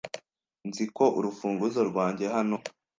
Nzi ko urufunguzo rwanjye hano.